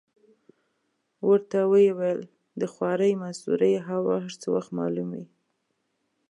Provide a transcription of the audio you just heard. ورته ویې ویل: د خوارۍ مزدورۍ او هر څه وخت معلوم وي.